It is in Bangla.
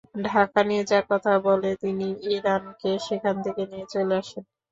ঢাকায় নিয়ে যাওয়ার কথা বলে তিনি ইমরানকে সেখান থেকে নিয়ে চলে আসেন।